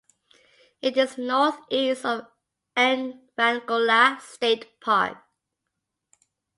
It is northeast of Evangola State Park.